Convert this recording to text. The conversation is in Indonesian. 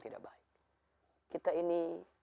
tidak baik kita ini